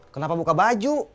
kenapa buka baju